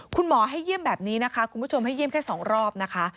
คุณหมอให้เยี่ยมแบบนี้นะคะคุณผู้ชมให้เยี่ยมแค่๒รอบนะคะ